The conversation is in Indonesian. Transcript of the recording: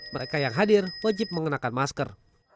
mereka yang hadir wajib mengenakan masker